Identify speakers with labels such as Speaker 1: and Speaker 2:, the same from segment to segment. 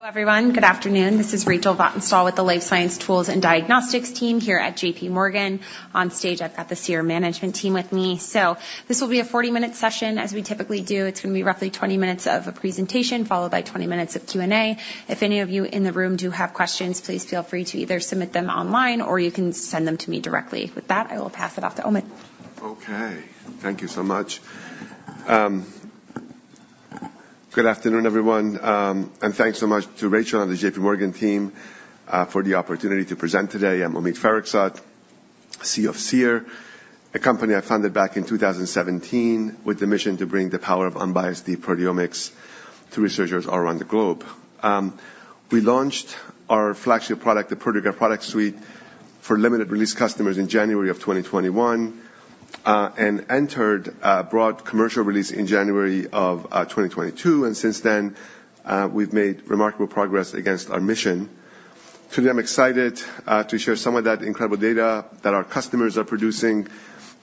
Speaker 1: Hello, everyone. Good afternoon. This is Rachel Vatnsdal with the Life Science Tools and Diagnostics team here at J.P. Morgan. On stage, I've got the Seer management team with me. This will be a 40-minute session, as we typically do. It's going to be roughly 20 minutes of a presentation, followed by 20 minutes of Q&A. If any of you in the room do have questions, please feel free to either submit them online or you can send them to me directly. With that, I will pass it off to Omid.
Speaker 2: Okay, thank you so much. Good afternoon, everyone, and thanks so much to Rachel and the J.P. Morgan team for the opportunity to present today. I'm Omid Farokhzad, CEO of Seer, a company I founded back in 2017 with the mission to bring the power of unbiased deep proteomics to researchers around the globe. We launched our flagship product, the Proteograph Product Suite, for limited release customers in January of 2021, and entered broad commercial release in January of 2022, and since then, we've made remarkable progress against our mission. Today, I'm excited to share some of that incredible data that our customers are producing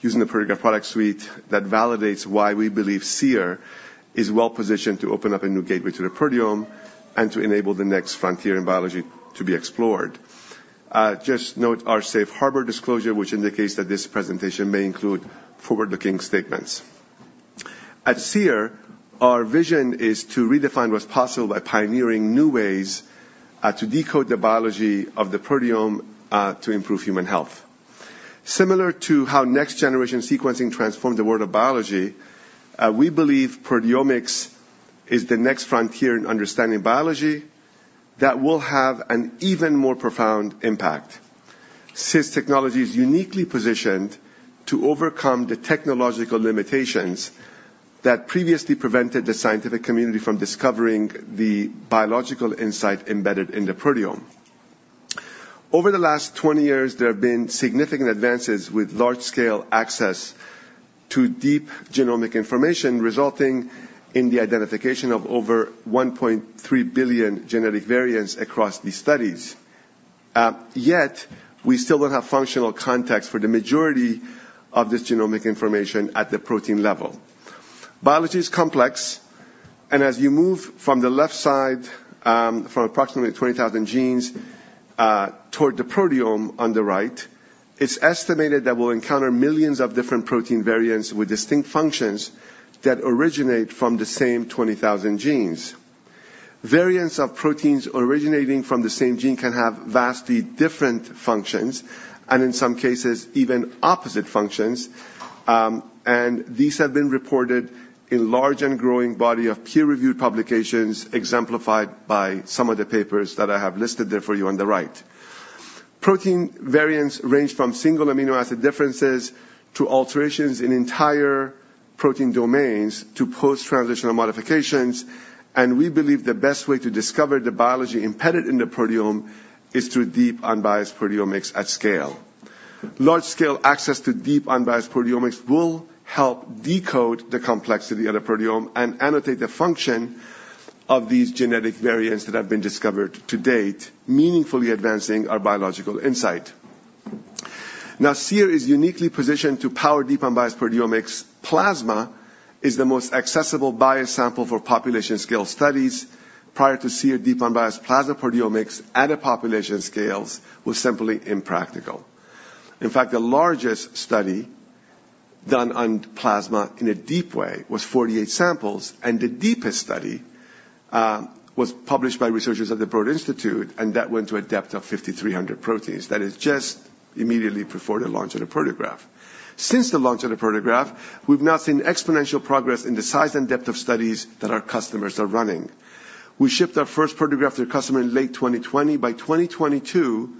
Speaker 2: using the Proteograph Product Suite that validates why we believe Seer is well-positioned to open up a new gateway to the proteome and to enable the next frontier in biology to be explored. Just note our safe harbor disclosure, which indicates that this presentation may include forward-looking statements. At Seer, our vision is to redefine what's possible by pioneering new ways to decode the biology of the proteome to improve human health. Similar to how next-generation sequencing transformed the world of biology, we believe proteomics is the next frontier in understanding biology that will have an even more profound impact. Seer's technology is uniquely positioned to overcome the technological limitations that previously prevented the scientific community from discovering the biological insight embedded in the proteome. Over the last 20 years, there have been significant advances with large-scale access to deep genomic information, resulting in the identification of over 1.3 billion genetic variants across these studies. Yet, we still don't have functional context for the majority of this genomic information at the protein level. Biology is complex, and as you move from the left side, from approximately 20,000 genes, toward the proteome on the right, it's estimated that we'll encounter millions of different protein variants with distinct functions that originate from the same 20,000 genes. Variants of proteins originating from the same gene can have vastly different functions and in some cases, even opposite functions. These have been reported in large and growing body of peer-reviewed publications, exemplified by some of the papers that I have listed there for you on the right. Protein variants range from single amino acid differences, to alterations in entire protein domains, to post-translational modifications, and we believe the best way to discover the biology embedded in the proteome is through deep, unbiased proteomics at scale. Large-scale access to deep, unbiased proteomics will help decode the complexity of the proteome and annotate the function of these genetic variants that have been discovered to date, meaningfully advancing our biological insight. Now, Seer is uniquely positioned to power deep, unbiased proteomics. Plasma is the most accessible BioSample for population-scale studies. Prior to Seer, deep, unbiased plasma proteomics at a population scales was simply impractical. In fact, the largest study done on plasma in a deep way was 48 samples, and the deepest study was published by researchers at the Broad Institute, and that went to a depth of 5,300 proteins. That is just immediately before the launch of the Proteograph. Since the launch of the Proteograph, we've now seen exponential progress in the size and depth of studies that our customers are running. We shipped our first Proteograph to a customer in late 2020. By 2022,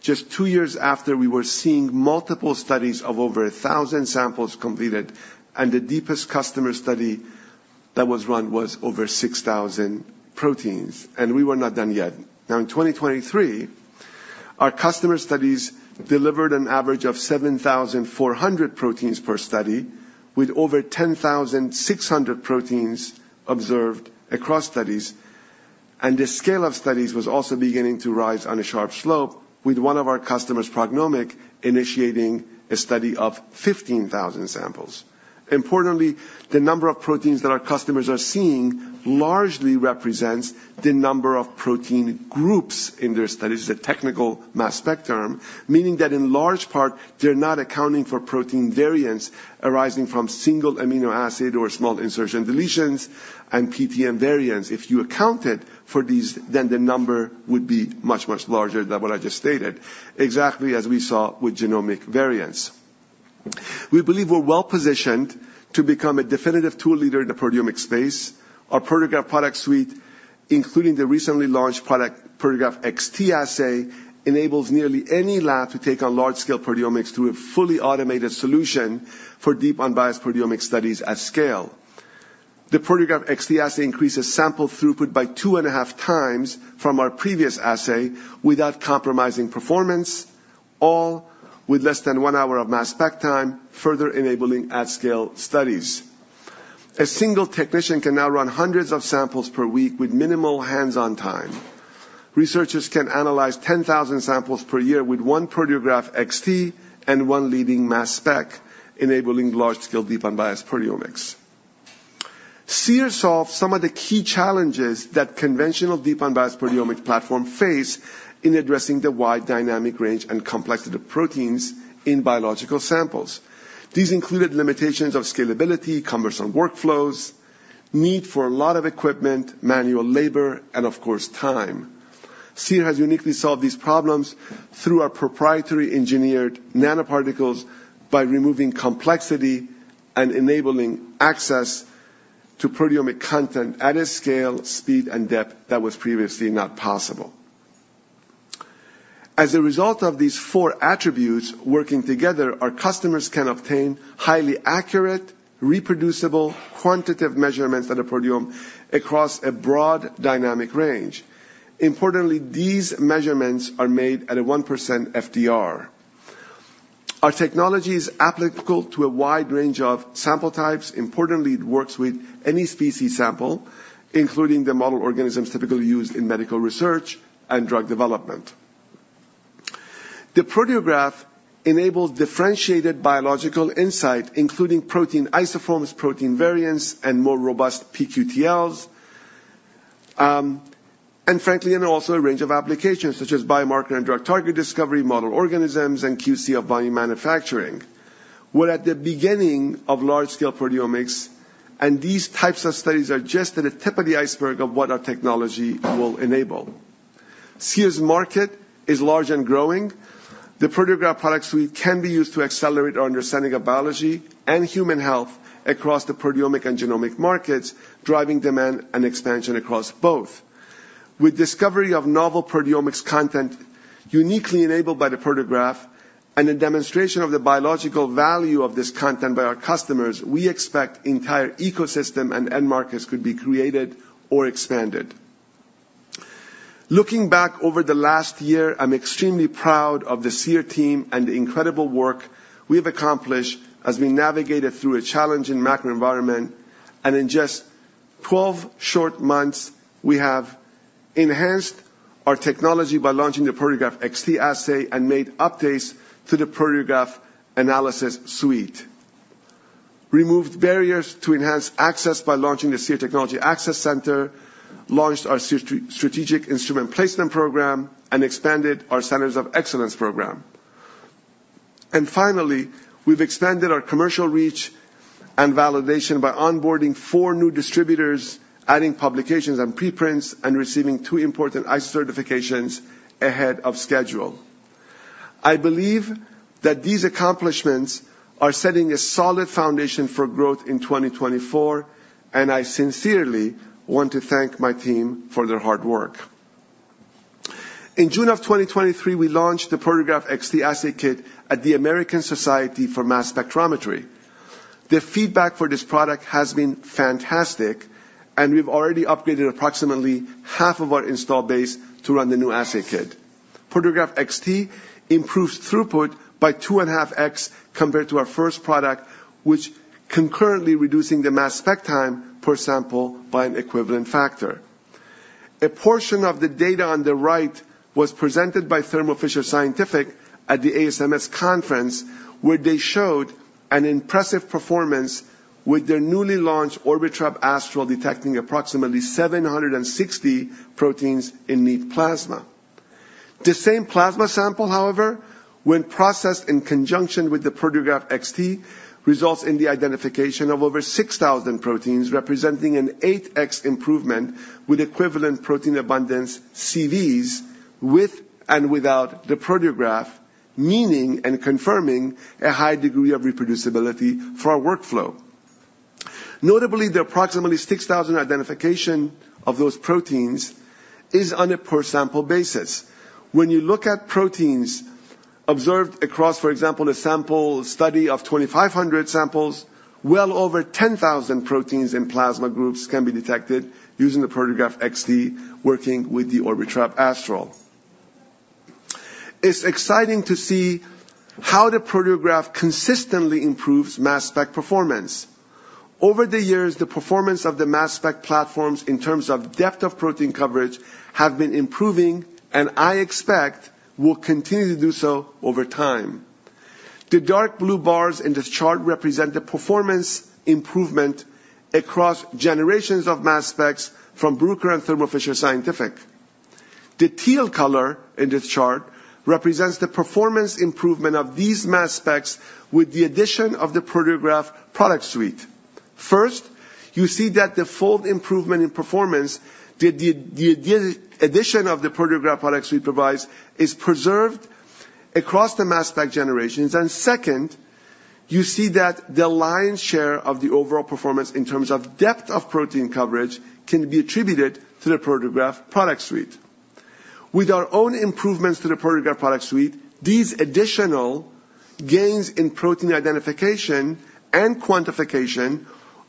Speaker 2: just two years after, we were seeing multiple studies of over 1,000 samples completed, and the deepest customer study that was run was over 6,000 proteins, and we were not done yet. Now, in 2023, our customer studies delivered an average of 7,400 proteins per study, with over 10,600 proteins observed across studies. The scale of studies was also beginning to rise on a sharp slope with one of our customers, PrognomiQ, initiating a study of 15,000 samples. Importantly, the number of proteins that our customers are seeing largely represents the number of protein groups in their studies, the technical mass spec, meaning that in large part, they're not accounting for protein variants arising from single amino acid or small insertion deletions and PTM variants. If you accounted for these, then the number would be much, much larger than what I just stated, exactly as we saw with genomic variants. We believe we're well-positioned to become a definitive tool leader in the proteomic space. Our Proteograph Product Suite, including the recently launched product, Proteograph XT Assay, enables nearly any lab to take on large-scale proteomics through a fully automated solution for deep, unbiased proteomic studies at scale. The Proteograph XT assay increases sample throughput by 2.5 times from our previous assay without compromising performance, all with less than 1 hour of mass spec time, further enabling at-scale studies. A single technician can now run hundreds of samples per week with minimal hands-on time.... Researchers can analyze 10,000 samples per year with 1 Proteograph XT and 1 leading mass spec, enabling large-scale deep unbiased proteomics. Seer solves some of the key challenges that conventional deep unbiased proteomic platform face in addressing the wide dynamic range and complexity of proteins in biological samples. These included limitations of scalability, cumbersome workflows, need for a lot of equipment, manual labor, and of course, time. Seer has uniquely solved these problems through our proprietary engineered nanoparticles by removing complexity and enabling access to proteomic content at a scale, speed, and depth that was previously not possible. As a result of these four attributes working together, our customers can obtain highly accurate, reproducible, quantitative measurements of the proteome across a broad dynamic range. Importantly, these measurements are made at a 1% FDR. Our technology is applicable to a wide range of sample types. Importantly, it works with any species sample, including the model organisms typically used in medical research and drug development. The Proteograph enables differentiated biological insight, including protein isoforms, protein variants, and more robust pQTLs, and frankly, and also a range of applications such as biomarker and drug target discovery, model organisms, and QC of volume manufacturing. We're at the beginning of large-scale proteomics, and these types of studies are just at the tip of the iceberg of what our technology will enable. Seer's market is large and growing. The Proteograph Product Suite can be used to accelerate our understanding of biology and human health across the proteomic and genomic markets, driving demand and expansion across both. With discovery of novel proteomics content uniquely enabled by the Proteograph and a demonstration of the biological value of this content by our customers, we expect entire ecosystem and end markets could be created or expanded. Looking back over the last year, I'm extremely proud of the Seer team and the incredible work we've accomplished as we navigated through a challenging macro environment, and in just 12 short months, we have enhanced our technology by launching the Proteograph XT assay and made updates to the Proteograph Analysis Suite. Removed barriers to enhance access by launching the Seer Technology Access Center, launched our Seer Strategic Instrument Placement program, and expanded our Centers of Excellence program. Finally, we've expanded our commercial reach and validation by onboarding 4 new distributors, adding publications and preprints, and receiving 2 important ISO certifications ahead of schedule. I believe that these accomplishments are setting a solid foundation for growth in 2024, and I sincerely want to thank my team for their hard work. In June of 2023, we launched the Proteograph XT Assay Kit at the American Society for Mass Spectrometry. The feedback for this product has been fantastic, and we've already upgraded approximately half of our installed base to run the new assay kit. Proteograph XT improves throughput by 2.5x compared to our first product, while concurrently reducing the mass spec time per sample by an equivalent factor. A portion of the data on the right was presented by Thermo Fisher Scientific at the ASMS conference, where they showed an impressive performance with their newly launched Orbitrap Astral, detecting approximately 760 proteins in neat plasma. The same plasma sample, however, when processed in conjunction with the Proteograph XT, results in the identification of over 6,000 proteins, representing an 8x improvement with equivalent protein abundance CVs with and without the Proteograph, meaning and confirming a high degree of reproducibility for our workflow. Notably, the approximately 6,000 identification of those proteins is on a per sample basis. When you look at proteins observed across, for example, a sample study of 2,500 samples, well over 10,000 proteins in plasma groups can be detected using the Proteograph XT, working with the Orbitrap Astral. It's exciting to see how the Proteograph consistently improves mass spec performance. Over the years, the performance of the mass spec platforms in terms of depth of protein coverage have been improving, and I expect will continue to do so over time. The dark blue bars in this chart represent the performance improvement across generations of mass specs from Bruker and Thermo Fisher Scientific. The teal color in this chart represents the performance improvement of these mass specs with the addition of the Proteograph Product Suite. First, you see that the fold improvement in performance, the addition of the Proteograph Product Suite provides, is preserved across the mass spec generations. And second, you see that the lion's share of the overall performance in terms of depth of protein coverage can be attributed to the Proteograph Product Suite. With our own improvements to the Proteograph Product Suite, these additional gains in protein identification and quantification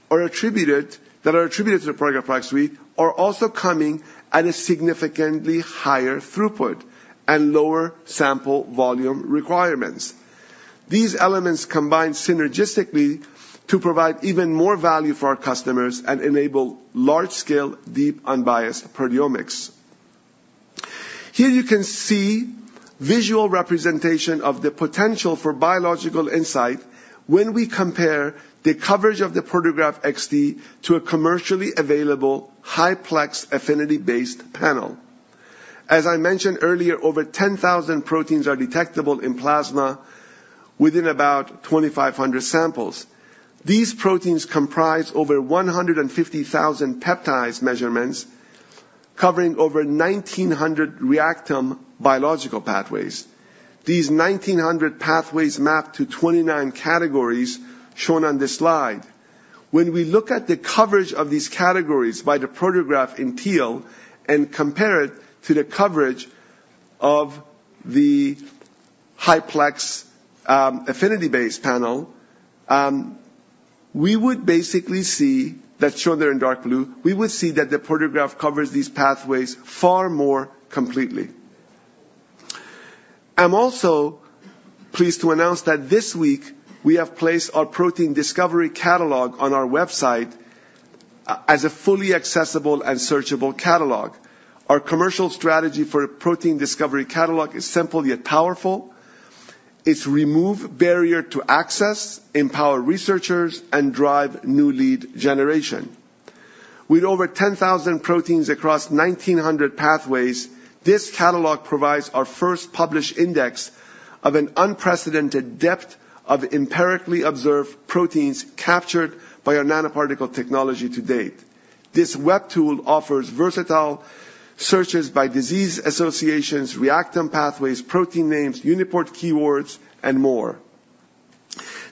Speaker 2: that are attributed to the Proteograph Product Suite are also coming at a significantly higher throughput and lower sample volume requirements. These elements combine synergistically to provide even more value for our customers and enable large-scale, deep, unbiased proteomics. Here you can see visual representation of the potential for biological insight when we compare the coverage of the Proteograph XT to a commercially available high-plex, affinity-based panel. As I mentioned earlier, over 10,000 proteins are detectable in plasma within about 2,500 samples. These proteins comprise over 150,000 peptides measurements, covering over 1,900 Reactome biological pathways. These 1,900 pathways map to 29 categories shown on this slide. When we look at the coverage of these categories by the Proteograph in teal and compare it to the coverage of the high-plex, affinity-based panel, we would basically see, that's shown there in dark blue, we would see that the Proteograph covers these pathways far more completely. I'm also pleased to announce that this week we have placed our Protein Discovery Catalog on our website, as a fully accessible and searchable catalog. Our commercial strategy for Protein Discovery Catalog is simple yet powerful. It's remove barrier to access, empower researchers, and drive new lead generation. With over 10,000 proteins across 1,900 pathways, this catalog provides our first published index of an unprecedented depth of empirically observed proteins captured by our nanoparticle technology to date. This web tool offers versatile searches by disease associations, Reactome pathways, protein names, UniProt keywords, and more.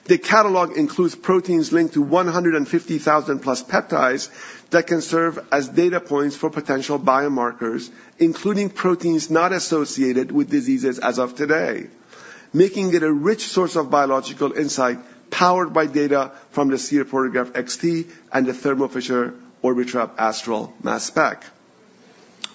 Speaker 2: The catalog includes proteins linked to 150,000+ peptides that can serve as data points for potential biomarkers, including proteins not associated with diseases as of today, making it a rich source of biological insight, powered by data from the Seer Proteograph XT and the Thermo Fisher Orbitrap Astral mass spec.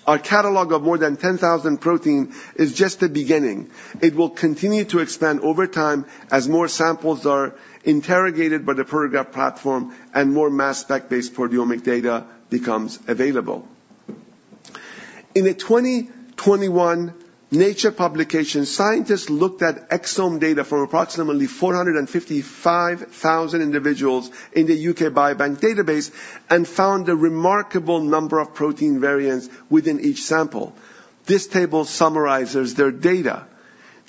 Speaker 2: Our catalog of more than 10,000 proteins is just the beginning. It will continue to expand over time as more samples are interrogated by the Proteograph platform and more mass spec-based proteomic data becomes available. In a 2021 Nature publication, scientists looked at exome data from approximately 455,000 individuals in the UK Biobank database and found a remarkable number of protein variants within each sample. This table summarizes their data.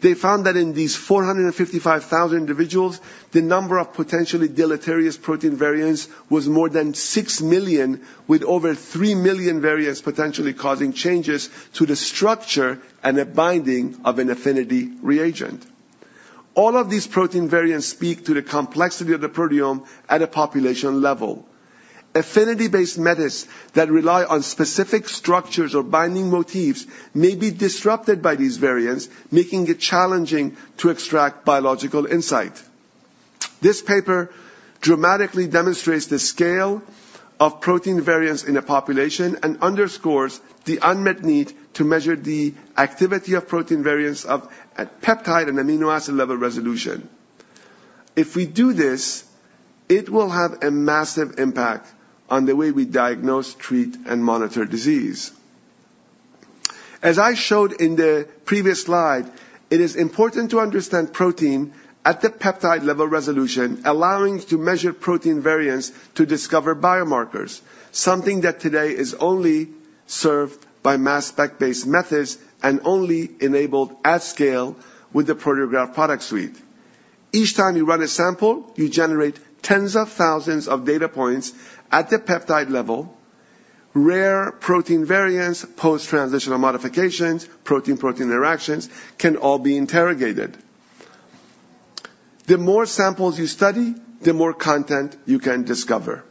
Speaker 2: They found that in these 455,000 individuals, the number of potentially deleterious protein variants was more than 6 million, with over 3 million variants potentially causing changes to the structure and the binding of an affinity reagent. All of these protein variants speak to the complexity of the proteome at a population level. Affinity-based methods that rely on specific structures or binding motifs may be disrupted by these variants, making it challenging to extract biological insight. This paper dramatically demonstrates the scale of protein variants in a population and underscores the unmet need to measure the activity of protein variants of a peptide and amino acid-level resolution. If we do this, it will have a massive impact on the way we diagnose, treat, and monitor disease. As I showed in the previous slide, it is important to understand protein at the peptide-level resolution, allowing to measure protein variants to discover biomarkers, something that today is only served by mass spec-based methods and only enabled at scale with the Proteograph Product Suite. Each time you run a sample, you generate tens of thousands of data points at the peptide level, rare protein variants, post-translational modifications, protein-protein interactions can all be interrogated. The more samples you study, the more content you can discover.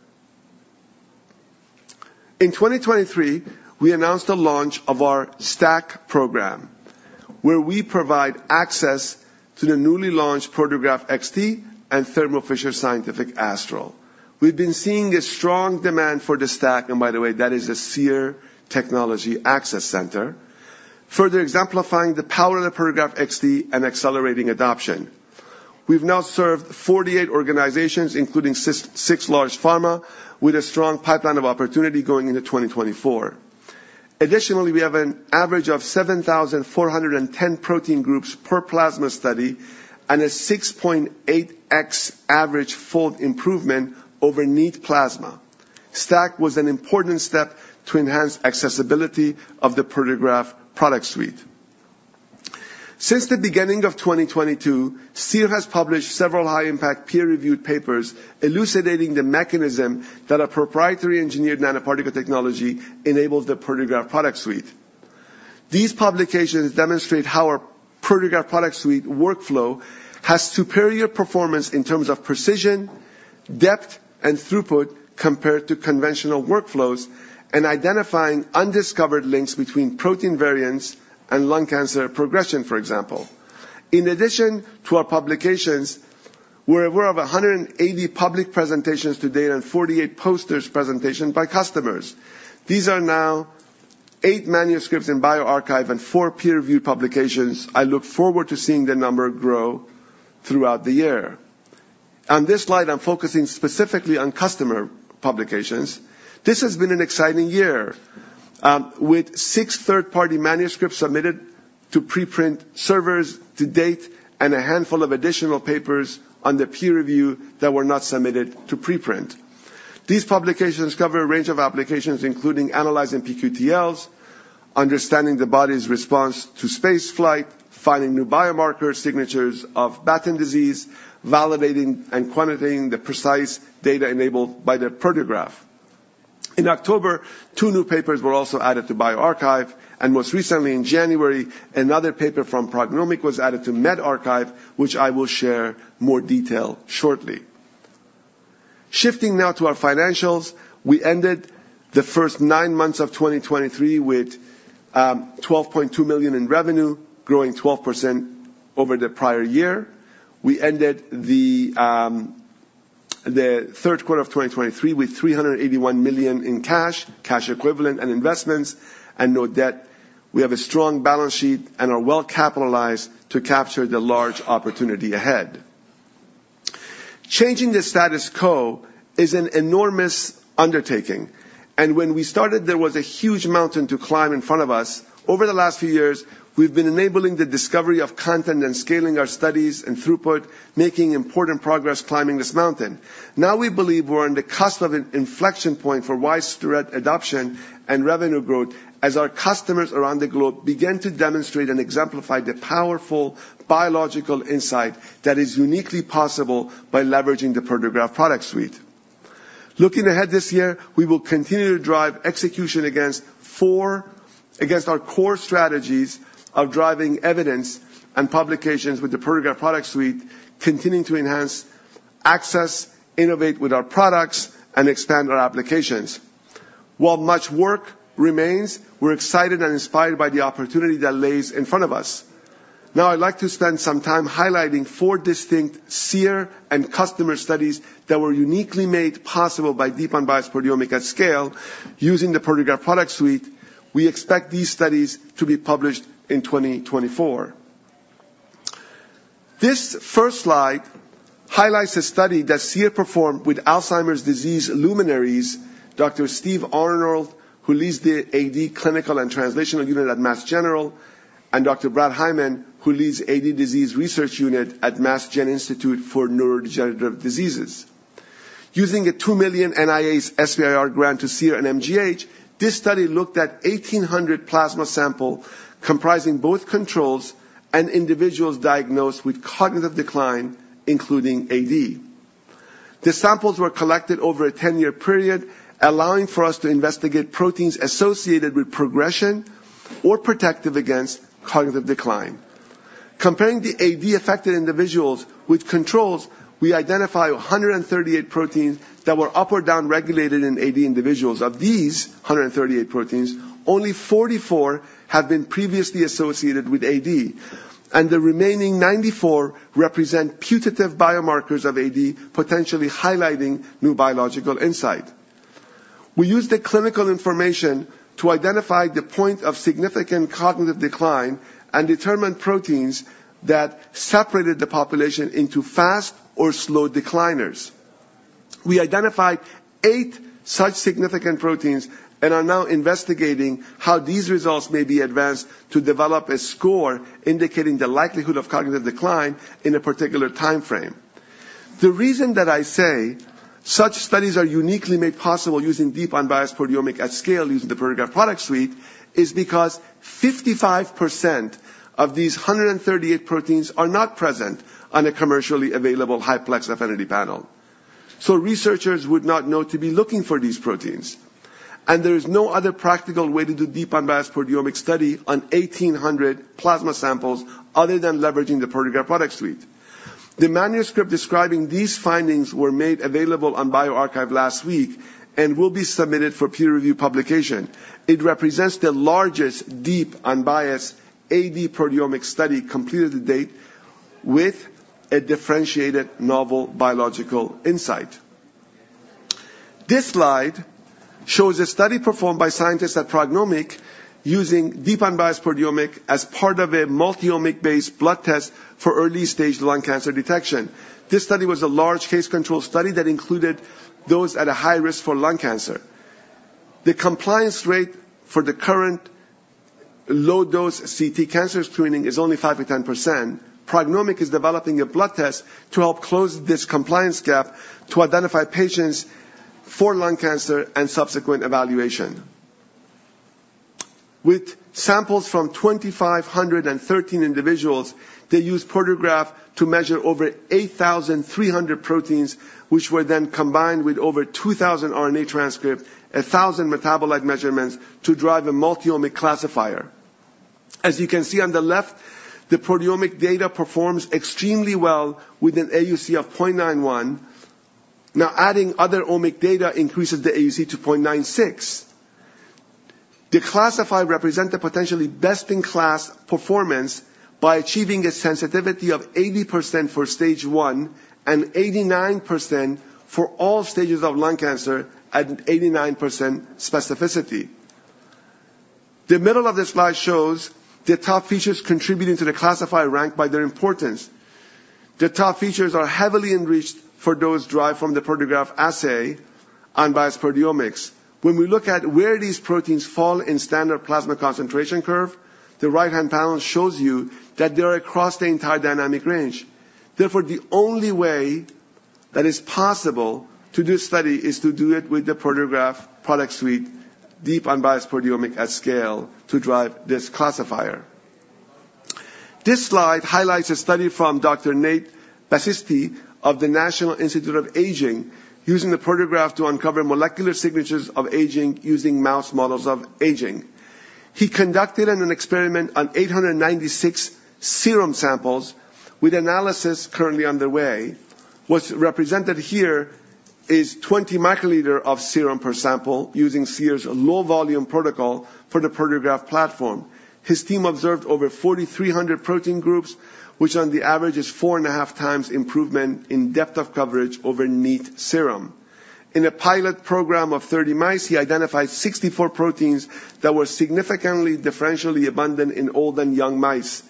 Speaker 2: In 2023, we announced the launch of our STAC program, where we provide access to the newly launched Proteograph XT and Thermo Fisher Scientific Astral. We've been seeing a strong demand for the STAC, and by the way, that is a Seer Technology Access Center, further exemplifying the power of the Proteograph XT and accelerating adoption. We've now served 48 organizations, including 6, 6 large pharma, with a strong pipeline of opportunity going into 2024. Additionally, we have an average of 7,410 protein groups per plasma study and a 6.8x average fold improvement over neat plasma. STAC was an important step to enhance accessibility of the Proteograph product suite. Since the beginning of 2022, Seer has published several high-impact peer-reviewed papers, elucidating the mechanism that our proprietary engineered nanoparticle technology enables the Proteograph product suite. These publications demonstrate how our Proteograph product suite workflow has superior performance in terms of precision, depth, and throughput compared to conventional workflows, and identifying undiscovered links between protein variants and lung cancer progression, for example. In addition to our publications. We're aware of 180 public presentations to date and 48 posters presentation by customers. These are now 8 manuscripts in bioRxiv and 4 peer-reviewed publications. I look forward to seeing the number grow throughout the year. On this slide, I'm focusing specifically on customer publications. This has been an exciting year, with 6 third-party manuscripts submitted to preprint servers to date, and a handful of additional papers under peer review that were not submitted to preprint. These publications cover a range of applications, including analyzing pQTLs, understanding the body's response to spaceflight, finding new biomarker signatures of Batten disease, validating and quantitating the precise data enabled by the Proteograph. In October, 2 new papers were also added to bioRxiv, and most recently in January, another paper from PrognomiQ was added to medRxiv, which I will share more detail shortly. Shifting now to our financials, we ended the first nine months of 2023 with $12.2 million in revenue, growing 12% over the prior year. We ended the third quarter of 2023 with $381 million in cash, cash equivalents, and investments, and no debt. We have a strong balance sheet and are well-capitalized to capture the large opportunity ahead. Changing the status quo is an enormous undertaking, and when we started, there was a huge mountain to climb in front of us. Over the last few years, we've been enabling the discovery of content and scaling our studies and throughput, making important progress climbing this mountain. Now, we believe we're on the cusp of an inflection point for widespread adoption and revenue growth as our customers around the globe begin to demonstrate and exemplify the powerful biological insight that is uniquely possible by leveraging the Proteograph Product Suite. Looking ahead this year, we will continue to drive execution against our core strategies of driving evidence and publications with the Proteograph Product Suite, continuing to enhance access, innovate with our products, and expand our applications. While much work remains, we're excited and inspired by the opportunity that lays in front of us. Now, I'd like to spend some time highlighting four distinct Seer and customer studies that were uniquely made possible by deep unbiased proteomics at scale using the Proteograph Product Suite. We expect these studies to be published in 2024. This first slide highlights a study that Seer performed with Alzheimer's disease luminaries, Dr. Steven Arnold, who leads the AD Clinical and Translational Unit at Mass General, and Dr. Bradley Hyman, who leads AD Disease Research Unit at MassGeneral Institute for Neurodegenerative Diseases. Using a $2 million NIA SBIR grant to Seer and MGH, this study looked at 1,800 plasma sample, comprising both controls and individuals diagnosed with cognitive decline, including AD. The samples were collected over a 10-year period, allowing for us to investigate proteins associated with progression or protective against cognitive decline. Comparing the AD-affected individuals with controls, we identified 138 proteins that were up or down-regulated in AD individuals. Of these 138 proteins, only 44 have been previously associated with AD, and the remaining 94 represent putative biomarkers of AD, potentially highlighting new biological insight. We used the clinical information to identify the point of significant cognitive decline and determine proteins that separated the population into fast or slow decliners. We identified 8 such significant proteins and are now investigating how these results may be advanced to develop a score indicating the likelihood of cognitive decline in a particular timeframe. The reason that I say such studies are uniquely made possible using deep unbiased proteomics at scale, using the Proteograph Product Suite, is because 55% of these 138 proteins are not present on a commercially available high-plex affinity panel. So researchers would not know to be looking for these proteins, and there is no other practical way to do deep unbiased proteomics study on 1,800 plasma samples other than leveraging the Proteograph Product Suite. The manuscript describing these findings were made available on bioRxiv last week and will be submitted for peer review publication. It represents the largest, deep, unbiased AD proteomic study completed to date with a differentiated novel biological insight. This slide shows a study performed by scientists at PrognomiQ using deep unbiased proteomic as part of a multi-omic-based blood test for early-stage lung cancer detection. This study was a large case-control study that included those at a high risk for lung cancer. The compliance rate for the current low-dose CT cancer screening is only 5%-10%. PrognomiQ is developing a blood test to help close this compliance gap to identify patients for lung cancer and subsequent evaluation. With samples from 2,513 individuals, they used Proteograph to measure over 8,300 proteins, which were then combined with over 2,000 RNA transcripts, 1,000 metabolite measurements, to drive a multi-omics classifier. As you can see on the left, the proteomic data performs extremely well with an AUC of 0.91. Now, adding other omics data increases the AUC to 0.96... The classifier represent the potentially best-in-class performance by achieving a sensitivity of 80% for stage one and 89% for all stages of lung cancer at 89% specificity. The middle of the slide shows the top features contributing to the classifier ranked by their importance. The top features are heavily enriched for those derived from the Proteograph assay, unbiased proteomics. When we look at where these proteins fall in standard plasma concentration curve, the right-hand panel shows you that they are across the entire dynamic range. Therefore, the only way that is possible to do study is to do it with the Proteograph product suite, deep unbiased proteomic at scale, to drive this classifier. This slide highlights a study from Dr. Nate Basisty of the National Institute on Aging, using the Proteograph to uncover molecular signatures of aging using mouse models of aging. He conducted an experiment on 896 serum samples, with analysis currently underway. What's represented here is 20 microliter of serum per sample, using Seer's low volume protocol for the Proteograph platform. His team observed over 4,300 protein groups, which on the average, is 4.5 times improvement in depth of coverage over neat serum. In a pilot program of 30 mice, he identified 64 proteins that were significantly differentially abundant in old and young mice.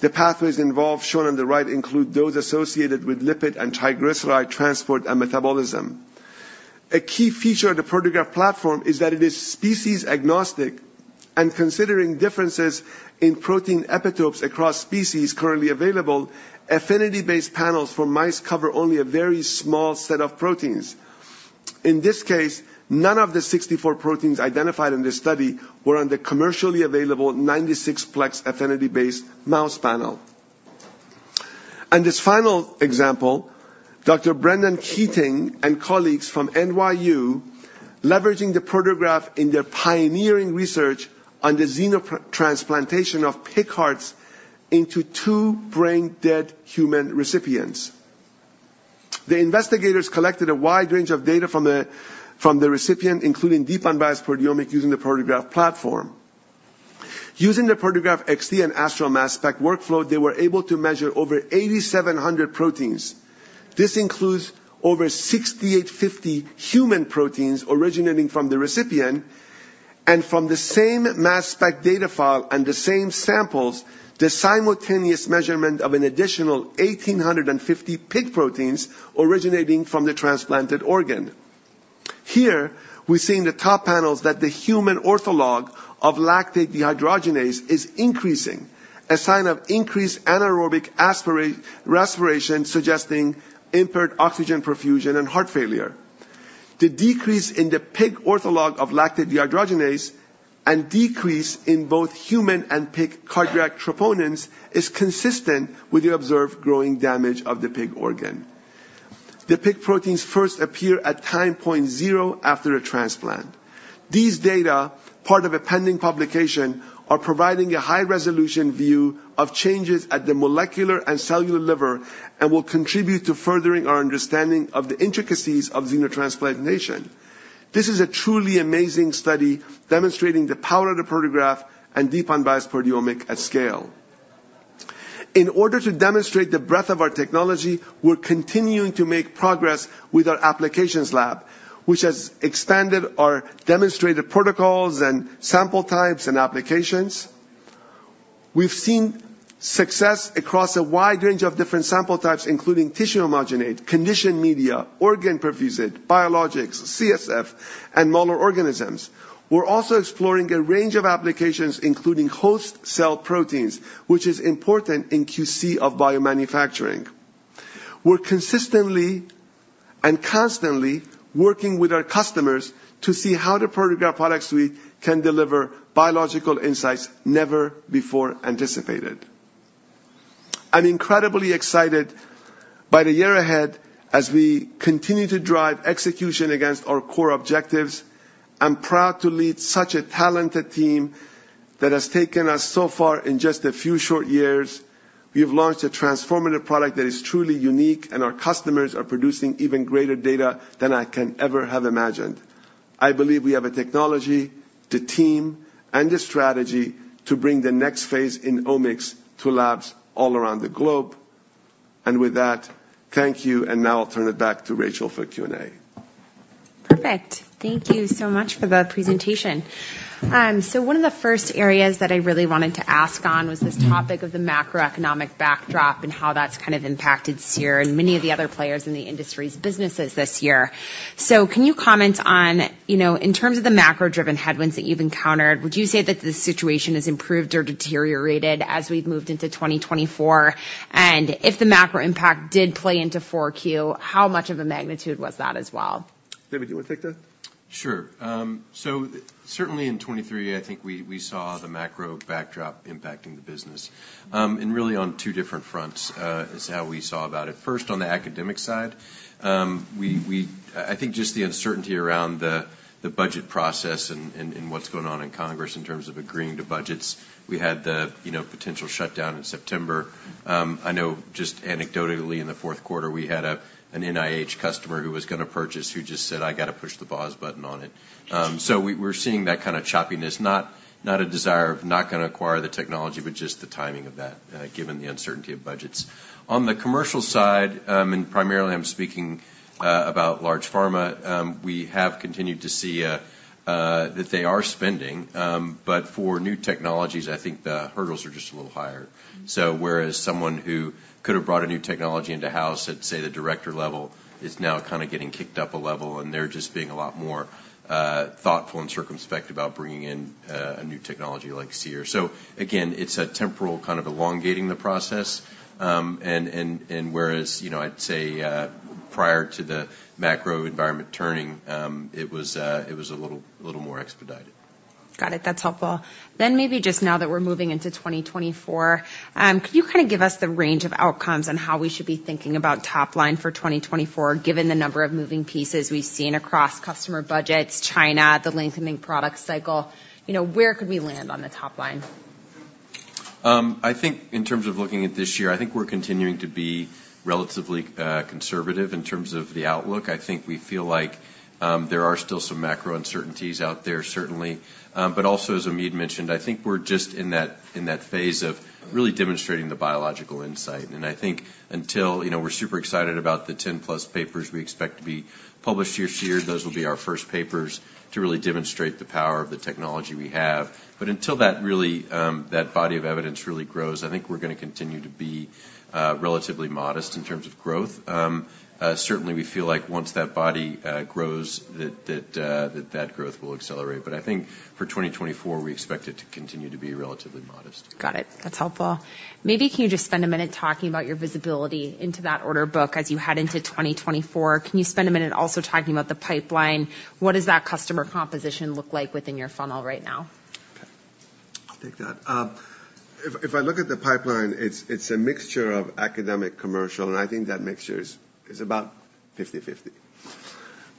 Speaker 2: The pathways involved, shown on the right, include those associated with lipid and triglyceride transport and metabolism. A key feature of the Proteograph platform is that it is species-agnostic, and considering differences in protein epitopes across species currently available, affinity-based panels for mice cover only a very small set of proteins. In this case, none of the 64 proteins identified in this study were on the commercially available 96-plex affinity-based mouse panel. This final example, Dr. Brendan Keating and colleagues from NYU, leveraging the Proteograph in their pioneering research on the xenotransplantation of pig hearts into 2 brain-dead human recipients. The investigators collected a wide range of data from the recipient, including deep unbiased proteomic using the Proteograph platform. Using the Proteograph XT and Orbitrap Astral mass spec workflow, they were able to measure over 8,700 proteins. This includes over 6,850 human proteins originating from the recipient, and from the same mass spec data file and the same samples, the simultaneous measurement of an additional 1,850 pig proteins originating from the transplanted organ. Here, we see in the top panels that the human ortholog of lactate dehydrogenase is increasing, a sign of increased anaerobic respiration, suggesting impaired oxygen perfusion and heart failure. The decrease in the pig ortholog of lactate dehydrogenase and decrease in both human and pig cardiac troponins, is consistent with the observed growing damage of the pig organ. The pig proteins first appear at time point 0 after a transplant. These data, part of a pending publication, are providing a high-resolution view of changes at the molecular and cellular level, and will contribute to furthering our understanding of the intricacies of xenotransplantation. This is a truly amazing study demonstrating the power of the Proteograph and deep unbiased proteomics at scale. In order to demonstrate the breadth of our technology, we're continuing to make progress with our applications lab, which has expanded our demonstrated protocols and sample types and applications. We've seen success across a wide range of different sample types, including tissue homogenate, conditioned media, organ perfusate, biologics, CSF, and model organisms. We're also exploring a range of applications, including host cell proteins, which is important in QC of biomanufacturing. We're consistently and constantly working with our customers to see how the Proteograph Product Suite can deliver biological insights never before anticipated. I'm incredibly excited by the year ahead as we continue to drive execution against our core objectives. I'm proud to lead such a talented team that has taken us so far in just a few short years. We have launched a transformative product that is truly unique, and our customers are producing even greater data than I can ever have imagined. I believe we have a technology, the team, and the strategy to bring the next phase in omics to labs all around the globe. And with that, thank you, and now I'll turn it back to Rachel for Q&A.
Speaker 1: Perfect. Thank you so much for the presentation. So one of the first areas that I really wanted to ask on was this topic of the macroeconomic backdrop and how that's kind of impacted Seer and many of the other players in the industry's businesses this year. So can you comment on, you know, in terms of the macro-driven headwinds that you've encountered, would you say that the situation has improved or deteriorated as we've moved into 2024? And if the macro impact did play into Q4, how much of a magnitude was that as well?
Speaker 2: David, do you want to take that? ...
Speaker 3: Sure. So certainly in 2023, I think we saw the macro backdrop impacting the business, and really on two different fronts is how we saw about it. First, on the academic side, we think just the uncertainty around the budget process and what's going on in Congress in terms of agreeing to budgets. We had the, you know, potential shutdown in September. I know just anecdotally, in the fourth quarter, we had an NIH customer who was gonna purchase, who just said, "I got to push the pause button on it." So we're seeing that kind of choppiness, not a desire of not gonna acquire the technology, but just the timing of that given the uncertainty of budgets. On the commercial side, and primarily I'm speaking about large pharma, we have continued to see that they are spending, but for new technologies, I think the hurdles are just a little higher. So whereas someone who could have brought a new technology in-house at, say, the director level, is now kind of getting kicked up a level, and they're just being a lot more thoughtful and circumspect about bringing in a new technology like Seer. So again, it's a temporal kind of elongating the process, whereas, you know, I'd say prior to the macro environment turning, it was a little more expedited.
Speaker 1: Got it. That's helpful. Then maybe just now that we're moving into 2024, could you kind of give us the range of outcomes on how we should be thinking about top line for 2024, given the number of moving pieces we've seen across customer budgets, China, the lengthening product cycle? You know, where could we land on the top line?
Speaker 3: I think in terms of looking at this year, I think we're continuing to be relatively conservative in terms of the outlook. I think we feel like there are still some macro uncertainties out there, certainly. But also, as Omid mentioned, I think we're just in that phase of really demonstrating the biological insight. And I think until... you know, we're super excited about the 10+ papers we expect to be published this year. Those will be our first papers to really demonstrate the power of the technology we have. But until that really, that body of evidence really grows, I think we're gonna continue to be relatively modest in terms of growth. Certainly, we feel like once that body grows, that growth will accelerate. But I think for 2024, we expect it to continue to be relatively modest.
Speaker 1: Got it. That's helpful. Maybe can you just spend a minute talking about your visibility into that order book as you head into 2024? Can you spend a minute also talking about the pipeline? What does that customer composition look like within your funnel right now?
Speaker 2: Okay, I'll take that. If I look at the pipeline, it's a mixture of academic, commercial, and I think that mixture is about 50/50.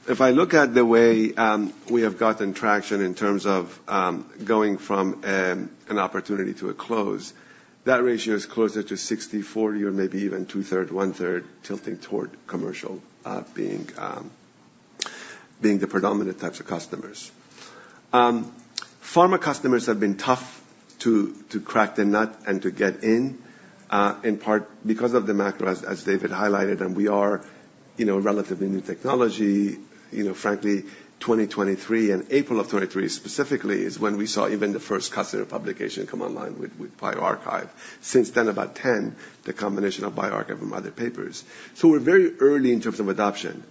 Speaker 2: If I look at the way we have gotten traction in terms of going from an opportunity to a close, that ratio is closer to 60/40, or maybe even 2/3, 1/3, tilting toward commercial being the predominant types of customers. Pharma customers have been tough to crack the nut and to get in, in part because of the macro, as David highlighted, and we are, you know, a relatively new technology. You know, frankly, 2023 and April of 2023 specifically, is when we saw even the first customer publication come online with bioRxiv. Since then, about 10, the combination of bioRxiv from other papers. So we're very early in terms of adoption,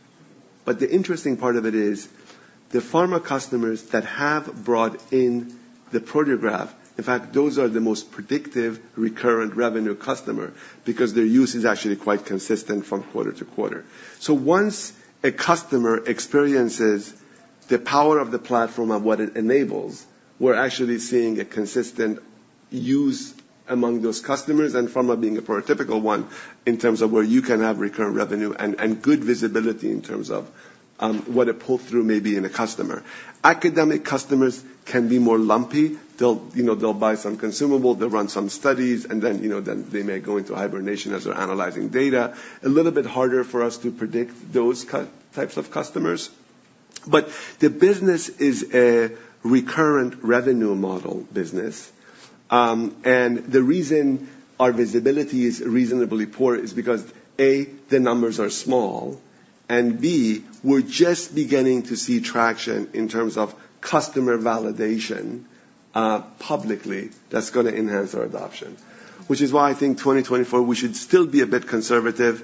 Speaker 2: but the interesting part of it is, the pharma customers that have brought in the Proteograph, in fact, those are the most predictive, recurrent revenue customer because their use is actually quite consistent from quarter to quarter. So once a customer experiences the power of the platform and what it enables, we're actually seeing a consistent use among those customers, and pharma being a prototypical one, in terms of where you can have recurrent revenue and, and good visibility in terms of, what a pull-through may be in a customer. Academic customers can be more lumpy. They'll, you know, they'll buy some consumable, they'll run some studies, and then, you know, then they may go into hibernation as they're analyzing data. A little bit harder for us to predict those types of customers, but the business is a recurrent revenue model business. The reason our visibility is reasonably poor is because, A, the numbers are small, and B, we're just beginning to see traction in terms of customer validation, publicly, that's gonna enhance our adoption. Which is why I think 2024, we should still be a bit conservative.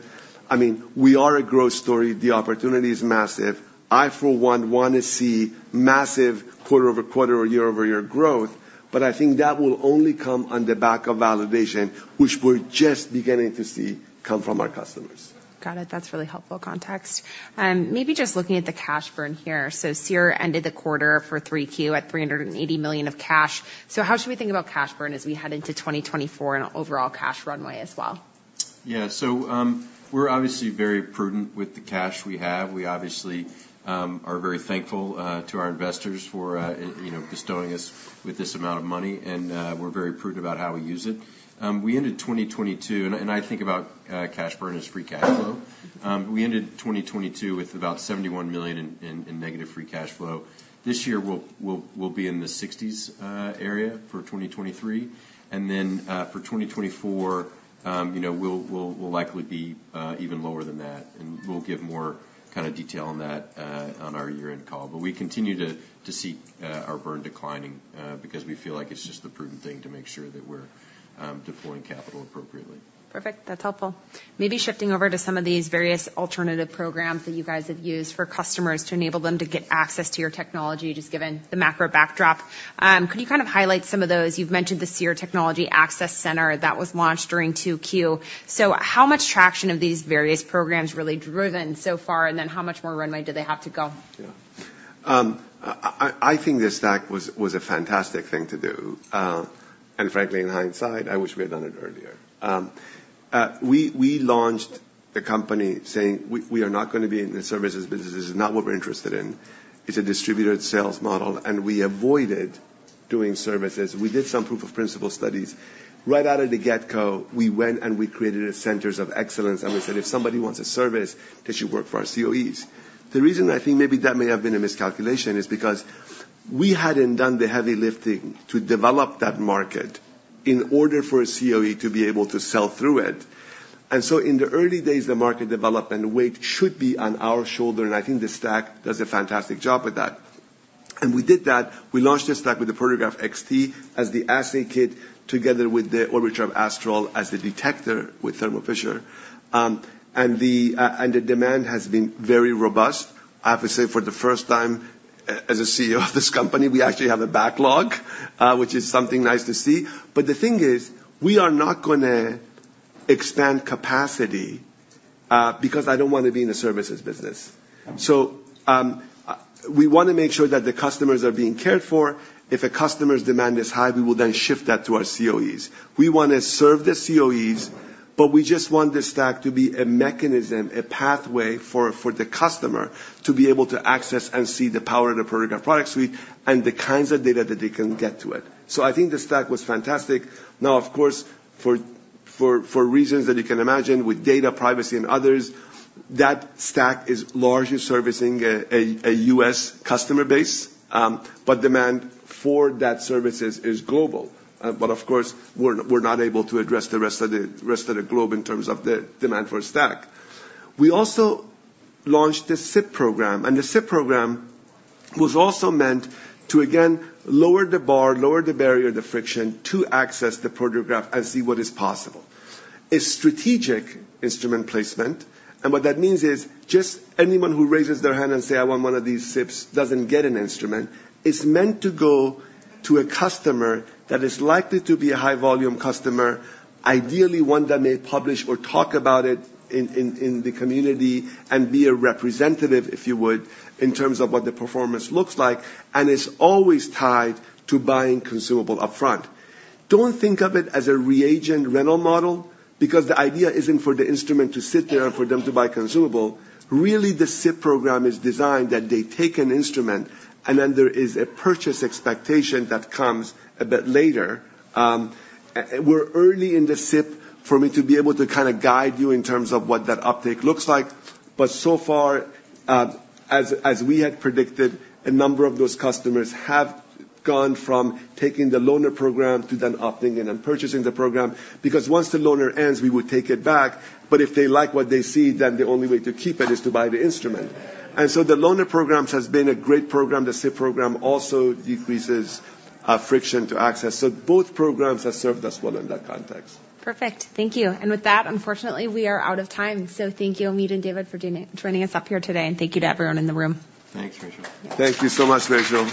Speaker 2: I mean, we are a growth story. The opportunity is massive. I, for one, wanna see massive quarter-over-quarter or year-over-year growth, but I think that will only come on the back of validation, which we're just beginning to see come from our customers.
Speaker 1: Got it. That's really helpful context. Maybe just looking at the cash burn here. So Seer ended the quarter for 3Q at $380 million of cash. So how should we think about cash burn as we head into 2024 and overall cash runway as well?
Speaker 3: Yeah. So, we're obviously very prudent with the cash we have. We obviously are very thankful to our investors for you know, bestowing us with this amount of money, and we're very prudent about how we use it. We ended 2022... And I think about cash burn as free cash flow. We ended 2022 with about $71 million in negative free cash flow. This year, we'll be in the 60s area for 2023, and then for 2024, you know, we'll likely be even lower than that. And we'll give more kind of detail on that on our year-end call. But we continue to see our burn declining because we feel like it's just the prudent thing to make sure that we're deploying capital appropriately.
Speaker 1: Perfect. That's helpful. Maybe shifting over to some of these various alternative programs that you guys have used for customers to enable them to get access to your technology, just given the macro backdrop. Could you kind of highlight some of those? You've mentioned the Seer Technology Access Center that was launched during 2Q. So how much traction have these various programs really driven so far, and then how much more runway do they have to go?
Speaker 2: I think the stack was a fantastic thing to do. And frankly, in hindsight, I wish we had done it earlier. We launched the company saying, "We are not gonna be in the services business. This is not what we're interested in. It's a distributed sales model," and we avoided doing services. We did some proof of principle studies. Right out of the get-go, we went and we created Centers of Excellence, and we said, "If somebody wants a service, they should work for our COEs." The reason I think maybe that may have been a miscalculation is because we hadn't done the heavy lifting to develop that market in order for a COE to be able to sell through it. So in the early days, the market development weight should be on our shoulder, and I think the stack does a fantastic job with that. We did that. We launched the stack with the Proteograph XT as the assay kit, together with the Orbitrap Astral as the detector with Thermo Fisher. And the demand has been very robust. I have to say, for the first time, as CEO of this company, we actually have a backlog, which is something nice to see. But the thing is, we are not gonna expand capacity, because I don't want to be in the services business. So, we wanna make sure that the customers are being cared for. If a customer's demand is high, we will then shift that to our COEs. We wanna serve the COEs, but we just want the stack to be a mechanism, a pathway for the customer to be able to access and see the power of the Proteograph Product Suite and the kinds of data that they can get to it. So I think the stack was fantastic. Now, of course, for reasons that you can imagine with data privacy and others, that stack is largely servicing a US customer base. But demand for that services is global. But of course, we're not able to address the rest of the globe in terms of the demand for a stack. We also launched the SIP program, and the SIP program was also meant to, again, lower the bar, lower the barrier, the friction to access the Proteograph and see what is possible. A strategic instrument placement, and what that means is, just anyone who raises their hand and say, "I want one of these SIPs," doesn't get an instrument. It's meant to go to a customer that is likely to be a high-volume customer, ideally one that may publish or talk about it in the community and be a representative, if you would, in terms of what the performance looks like, and it's always tied to buying consumable upfront. Don't think of it as a reagent rental model, because the idea isn't for the instrument to sit there and for them to buy consumable. Really, the SIP program is designed that they take an instrument, and then there is a purchase expectation that comes a bit later. We're early in the SIP for me to be able to kind of guide you in terms of what that uptake looks like, but so far, as, as we had predicted, a number of those customers have gone from taking the loaner program to then opting in and purchasing the program. Because once the loaner ends, we would take it back, but if they like what they see, then the only way to keep it is to buy the instrument. And so the loaner programs has been a great program. The SIP program also decreases friction to access. So both programs have served us well in that context.
Speaker 1: Perfect. Thank you. And with that, unfortunately, we are out of time. So thank you, Omid and David, for joining us up here today, and thank you to everyone in the room. Thanks, Rachel.
Speaker 2: Thank you so much, Rachel.